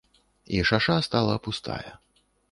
І шаша стала пустая.